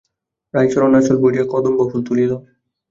রাইচরণ আঁচল ভরিয়া কদম্বফুল তুলিল।